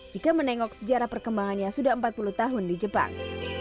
jika menengok sejarah perkembangannya sudah empat puluh tahun di jepang